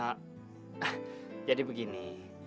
ah jadi begini